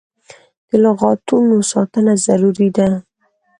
د لغتانو ساتنه ضروري ده.